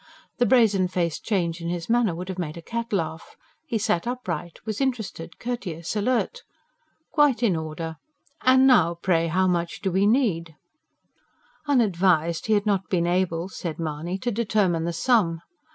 The brazen faced change in his manner would have made a cat laugh; he sat upright, was interested, courteous, alert. "Quite in order! And now, pray, how much do we need?" Unadvised, he had not been able, said Mahony, to determine the sum.